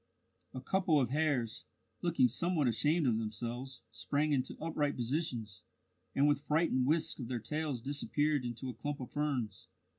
A couple of hares, looking somewhat ashamed of themselves, sprang into upright positions, and with frightened whisks of their tails disappeared into a clump of ferns.